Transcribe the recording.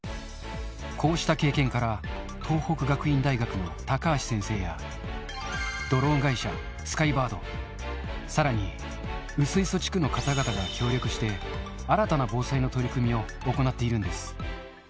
こうした経験から、東北学院大学の高橋先生や、ドローン会社、スカイバード、さらに薄磯地区の方々が協力して、新たな防災の取り組みを行っているんです。